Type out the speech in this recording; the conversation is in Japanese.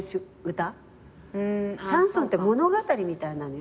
シャンソンって物語みたいなの。